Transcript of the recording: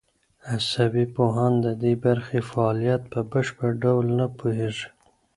عصبي پوهان د دې برخې فعالیت په بشپړ ډول نه پوهېږي.